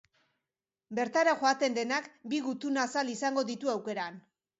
Bertara joaten denak bi gutunazal izango ditu aukeran.